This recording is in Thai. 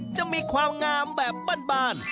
จะมีความงามแบบบ้าน